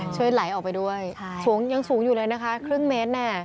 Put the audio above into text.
ช่วยไหลออกไปด้วยสูงยังสูงอยู่เลยนะคะครึ่งเมตร